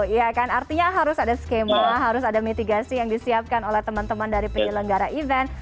iya kan artinya harus ada skema harus ada mitigasi yang disiapkan oleh teman teman dari penyelenggara event